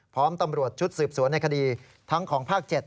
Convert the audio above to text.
พร้อมตำรวจชุดสืบสวนในคดีทั้งของภาค๗